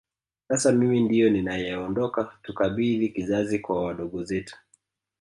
Sasa mimi ndio ninayeondoka tukabidhi kizazi kwa wadogo zetu